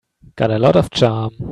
Got a lot of charm.